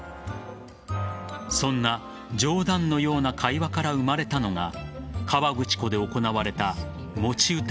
そんな冗談のような会話から生まれたのが河口湖で行われた持ち歌